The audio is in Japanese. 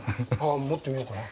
持ってみようかな。